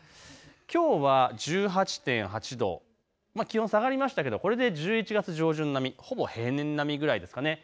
きょうは１８．８度、気温下がりましたけどこれで１１月上旬並み、ほぼ平年並みぐらいですかね。